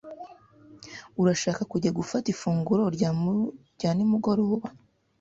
Urashaka kujya gufata ifunguro rya nimugoroba?